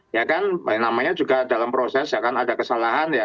ya kan namanya juga dalam proses ya kan ada kesalahan ya